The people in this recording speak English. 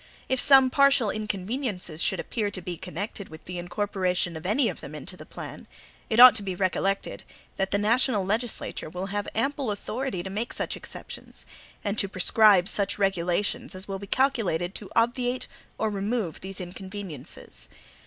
If some partial inconveniences should appear to be connected with the incorporation of any of them into the plan, it ought to be recollected that the national legislature will have ample authority to make such exceptions, and to prescribe such regulations as will be calculated to obviate or remove these inconveniences.